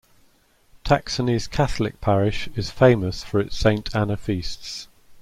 Taksony's Catholic parish is famous for its Saint Anna feasts.